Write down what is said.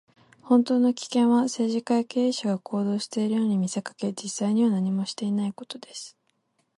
本当の危険は、政治家や経営者が行動しているように見せかけ、実際には何もしていないことです。